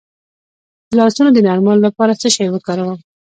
د لاسونو د نرموالي لپاره څه شی وکاروم؟